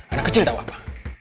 anak kecil tau apa